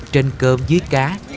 trên cơm dưới cá